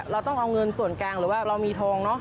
เราต้องเอาเงินส่วนกลางหรือว่าเรามีทองเนอะ